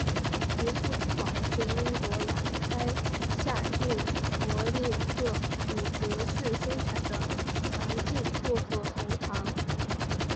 渔夫之宝是英国兰开夏郡弗利特伍德市生产的强劲薄荷喉糖。